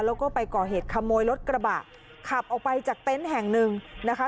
แล้วก็ไปก่อเหตุขโมยรถกระบะขับออกไปจากเต็นต์แห่งหนึ่งนะคะ